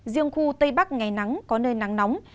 riêng khu tây bắc ngày nắng có nơi nắng nóng